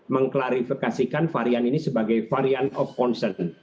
mengklarifikasikan varian ini sebagai varian of concern